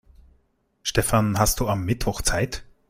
Stefan, hast du am Mittwoch Zeit?